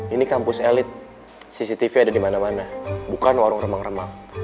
ini kampus elit cctv ada di mana mana bukan warung remang remang